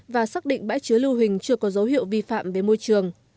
và xác định bãi chứa lưu hình chưa có dấu hiệu vi phạm về môi trường